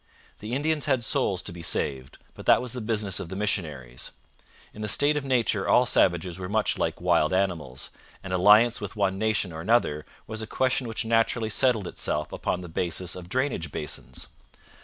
The Indians had souls to be saved, but that was the business of the missionaries. In the state of nature all savages were much like wild animals, and alliance with one nation or another was a question which naturally settled itself upon the basis of drainage basins.